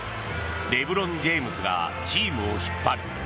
レブロン・ジェームズがチームを引っ張る。